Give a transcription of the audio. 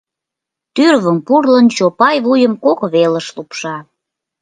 Тӱрвым пурлын, Чопай вуйым кок велыш лупша.